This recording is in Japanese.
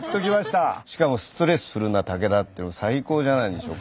しかもストレスフルな武田って最高じゃないでしょうか。